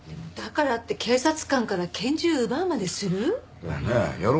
だからって警察官から拳銃奪うまでする？